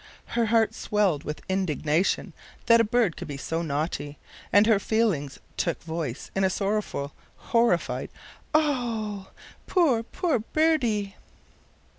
Her heart swelled with indignation that a bird could be so naughty, and her feelings took voice in a sorrowful, horrified "Oh oo o! Poor, poor, birdie."